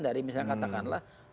dari misalnya katakanlah